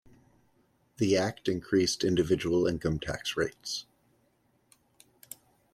The Act increased individual income tax rates.